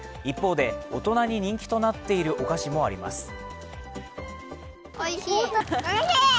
一方で大人に人気となっているお菓子もあります。